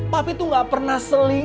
papi tuh gak pernah nganter makanan